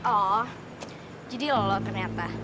oh jadi lo lo ternyata